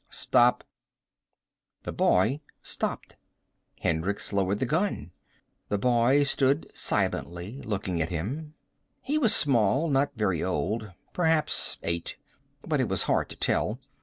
"Stop!" The boy stopped. Hendricks lowered his gun. The boy stood silently, looking at him. He was small, not very old. Perhaps eight. But it was hard to tell.